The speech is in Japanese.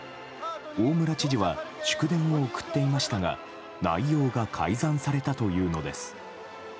大村知事は祝電を送っていましたが内容が改ざんされたというのです。